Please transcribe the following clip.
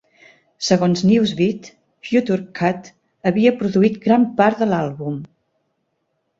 Segons "Newsbeat", Future Cut havia produït gran part de l'àlbum.